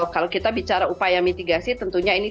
kalau kita bicara upaya mitigasi tentunya ini